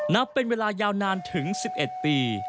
นับเป็นเวลายาวนานถึง๑๑ปี